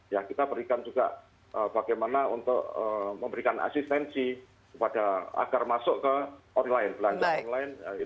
ya kita berikan juga bagaimana untuk memberikan asistensi agar masuk ke online belanja online